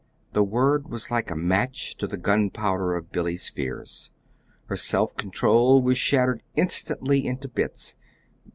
The word was like a match to the gunpowder of Billy's fears. Her self control was shattered instantly into bits.